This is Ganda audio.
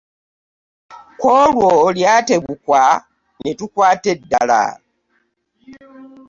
Ku olwo lyatebukwa ne tukwata eddala.